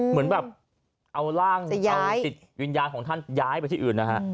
เหมือนแบบเอาร่างเอาจิตวิญญาณของท่านย้ายไปที่อื่นนะฮะ